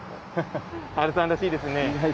ハルさんらしいですね。